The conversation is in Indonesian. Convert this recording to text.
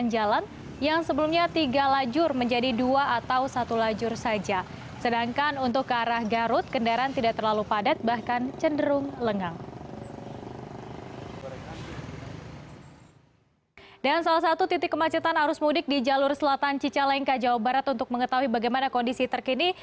dan salah satu titik kemacetan arus mudik di jalur selatan cicalengka jawa barat untuk mengetahui bagaimana kondisi terkini